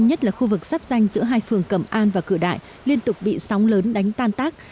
nhất là khu vực sắp danh giữa hai phường cẩm an và cửa đại liên tục bị sóng lớn đánh tan tác